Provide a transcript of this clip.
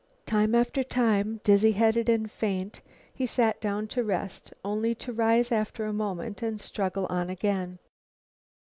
Time after time, dizzy headed and faint, he sat down to rest, only to rise after a moment and struggle on again.